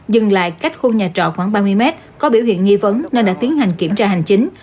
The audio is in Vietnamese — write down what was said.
dừng lại cách khu nhà trọ khoảng ba mươi mét có biểu hiện nghi vấn nên đã tiến hành kiểm tra hành chính